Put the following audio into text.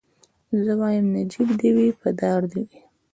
زه وايم نجيب دي وي په دار دي وي